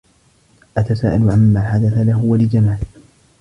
أتساءل عمّا حدث له و لجمال.